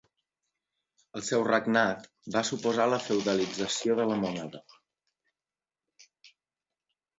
El seu regnat va suposar la feudalització de la moneda.